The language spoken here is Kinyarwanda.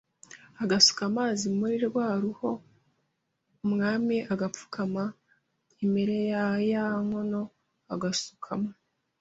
agasuka amazi muri rwa ruho Umwami agapfukama Imere ya ya nkono Agasukamo